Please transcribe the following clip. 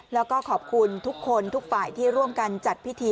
แล้วก็ขอบคุณทุกคนทุกฝ่ายที่ร่วมกันจัดพิธี